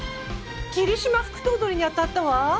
霧島副頭取に当たったわ。